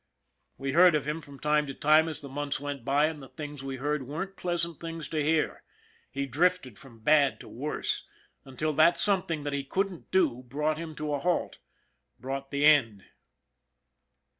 We heard of him from time to time as the months went by, and the things we heard weren't pleasant things to hear. He drifted from bad to worse, until that something that he couldn't do brought him to a halt brought the end.